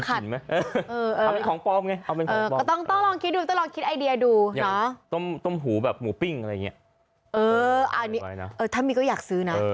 ก็เอาไส้อว่ะมาค้อง